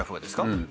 うん。